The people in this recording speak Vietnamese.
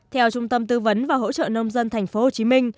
theo trung tâm tư vấn và hỗ trợ nông dân tp hcm